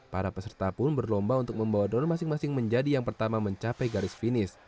para peserta pun berlomba untuk membawa drone masing masing menjadi yang pertama mencapai garis finish